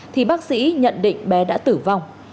thì bác sĩ nhận định bé đã tử vong